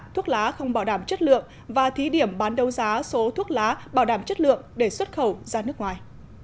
thuốc lá không bảo đảm chất lượng và thí điểm bán đấu giá số thuốc lá bảo đảm chất lượng để xuất khẩu ra nước ngoài